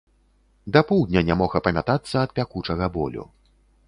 Да поўдня не мог апамятацца ад пякучага болю.